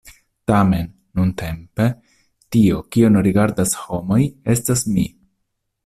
Tamen, nuntempe, tio, kion rigardas homoj, estas mi!